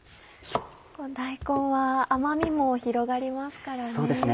大根は甘みも広がりますからね。